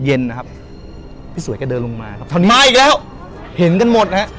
เย็นนะครับพี่สวยก็เดินลงมาครับท่านมาอีกแล้วเห็นกันหมดนะฮะ